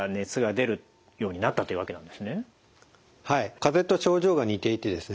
かぜと症状が似ていてですね